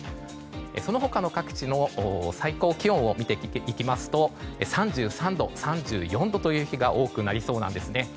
その他の各地の最高気温を見ていきますと３３度、３４度という日が多くなりそうなんです。